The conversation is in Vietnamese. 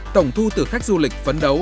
tổng thu từ khách du lịch phân đấu